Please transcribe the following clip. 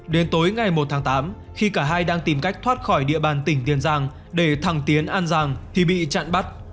đến tối ngày một tháng tám khi cả hai đang tìm cách thoát khỏi địa bàn tỉnh tiền giang để thẳng tiến an giang thì bị chặn bắt